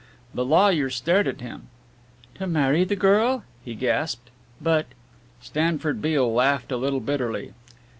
The lawyer stared at him. "To marry the girl?" he gasped. "But " Stanford Beale laughed a little bitterly.